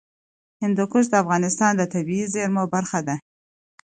هندوکش د افغانستان د طبیعي زیرمو برخه ده.